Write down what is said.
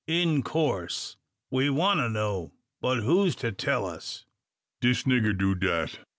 In coorse we want to know. But who's to tell us?" "Dis nigger do dat."